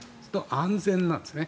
安全なんですね。